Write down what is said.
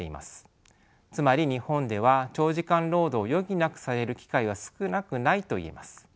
つまり日本では長時間労働を余儀なくされる機会は少なくないと言えます。